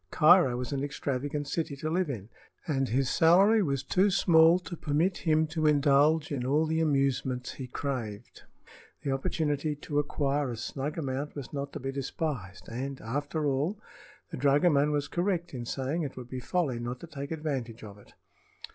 Cairo was an extravagant city to live in, and his salary was too small to permit him to indulge in all the amusements he craved. The opportunity to acquire a snug amount was not to be despised, and, after all, the dragoman was correct in saying it would be folly not to take advantage of it.